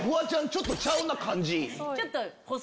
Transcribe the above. ちょっとちゃうな感じ。